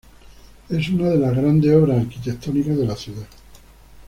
Es una de las grandes obras arquitectónicas de la ciudad.